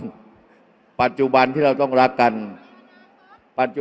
อย่าให้ลุงตู่สู้คนเดียว